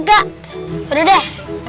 aduh ombet ya